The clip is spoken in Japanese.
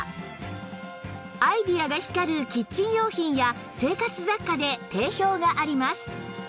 アイデアが光るキッチン用品や生活雑貨で定評があります